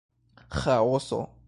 Ĥaoso.